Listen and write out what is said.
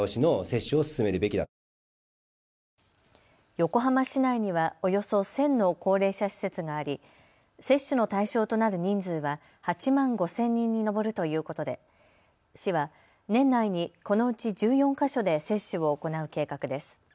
横浜市内にはおよそ１０００の高齢者施設があり接種の対象となる人数は８万５０００人に上るということで市は年内に、このうち１４か所で接種を行う計画です。